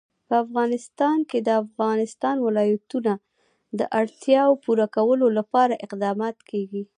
په افغانستان کې د د افغانستان ولايتونه د اړتیاوو پوره کولو لپاره اقدامات کېږي.